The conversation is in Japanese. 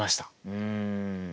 うん。